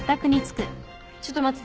ちょっと待ってて。